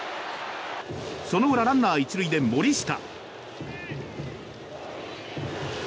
その裏、ランナー１塁で森下。